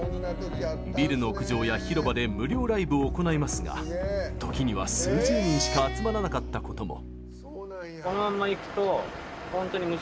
ビルの屋上や広場で無料ライブを行いますが時には数十人しか集まらなかったことも。